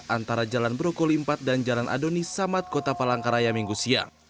antara jalan brokoli empat dan jalan adoni samad kota palangkaraya minggu siang